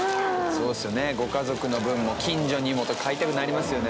そうですよねご家族の分も近所にもと買いたくなりますよね。